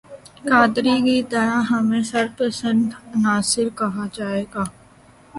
قادری کی طرح ہمیں شرپسند عناصر کہا جائے گا